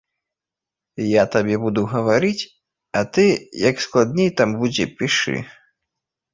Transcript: Я табе буду гаварыць, а ты як складней там будзе пішы.